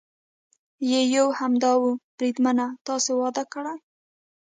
یې یو همدا و، بریدمنه تاسې واده کړی؟